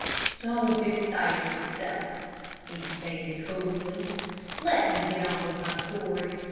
"Don't excite yourself," he said, coolly. "Let me get on with my story.